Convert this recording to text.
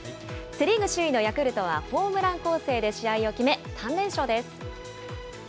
セ・リーグ首位のヤクルトは、ホームラン攻勢で試合を決め、３連勝です。